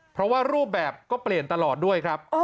เพราะว่ารูปแบบก็เปลี่ยนตลอดด้วยครับ